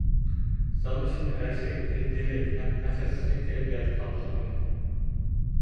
زال ئىچىنى غەشلىك، جىددىيلىك ھەم تەخىرسىزلىك كەيپىياتى قاپلىغان ئىدى.